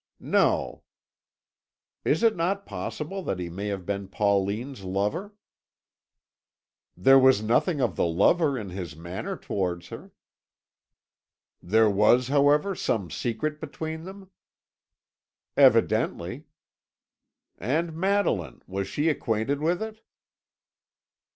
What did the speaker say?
"No." "Is it not possible that he may have been Pauline's lover?" "There was nothing of the lover in his manner towards her." "There was, however, some secret between them?" "Evidently." "And Madeline was she acquainted with it?"